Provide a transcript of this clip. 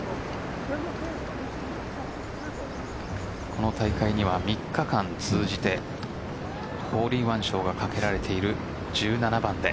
この大会には３日間通じてホールインワン賞がかけられている１７番で。